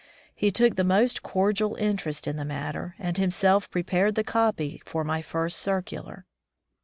He took the most cordial interest in the matter, and himself prepared the copy for my first cir cular.